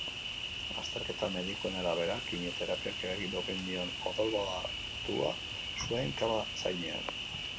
Azterketa medikuen arabera, kimioterapiak eragin omen dion odolbatua zuen kaba zainean.